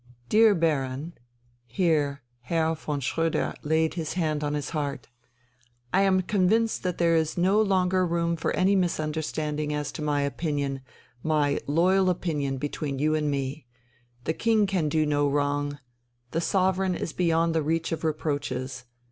Dear Baron" here Herr von Schröder laid his hand on his heart, "I am convinced that there is no longer room for any misunderstanding as to my opinion, my loyal opinion, between you and me. The King can do no wrong.... The sovereign is beyond the reach of reproaches.